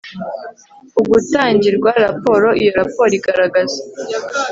ugutangirwa raporo Iyo raporo igaragaza